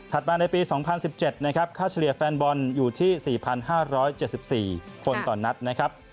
มาในปี๒๐๑๗นะครับค่าเฉลี่ยแฟนบอลอยู่ที่๔๕๗๔คนต่อนัดนะครับ